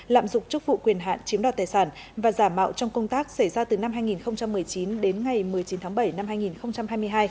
lạm dụng chức vụ quyền hạn chiếm đoạt tài sản và giả mạo trong công tác xảy ra từ năm hai nghìn một mươi chín đến ngày một mươi chín tháng bảy năm hai nghìn hai mươi hai